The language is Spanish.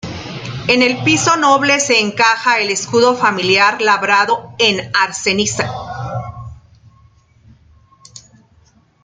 En el piso noble se encaja el escudo familiar labrado en arenisca.